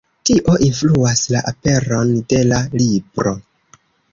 Tio influas la aperon de la libro.